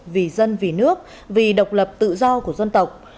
vì dân vì nước vì độc lập tự do của dân tộc